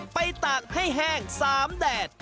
ตากให้แห้ง๓แดด